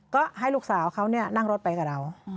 ก็ให้ลูกสาวเขานั่งรถไปกับเรา